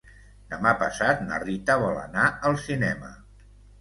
Demà passat na Rita vol anar al cinema.